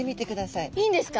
いいんですか？